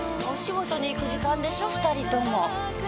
お仕事に行く時間でしょ２人とも。